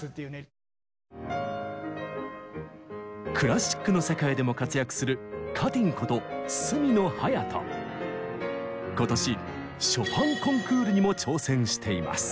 クラシックの世界でも活躍する今年ショパンコンクールにも挑戦しています。